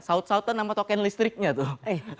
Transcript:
saut sautan sama token listriknya tuh